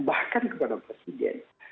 bahkan kepada presiden